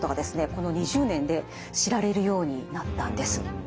この２０年で知られるようになったんです。